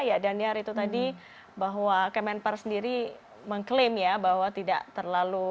ya daniar itu tadi bahwa kemenpar sendiri mengklaim ya bahwa tidak terlalu